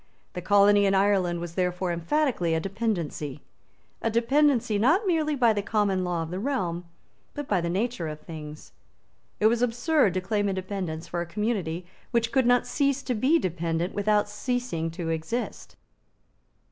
The colony in Ireland was therefore emphatically a dependency; a dependency, not merely by the common law of the realm, but by the nature of things. It was absurd to claim independence for a community which could not cease to be dependent without ceasing to exist.